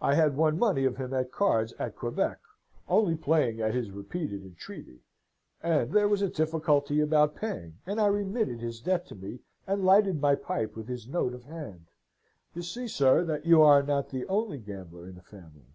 I had won money of him at cards, at Quebec only playing at his repeated entreaty and there was a difficulty about paying, and I remitted his debt to me, and lighted my pipe with his note of hand. You see, sir, that you are not the only gambler in the family.